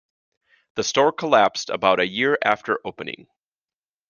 The store collapsed about a year after opening.